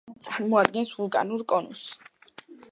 წარმოადგენს ვულკანურ კონუსს.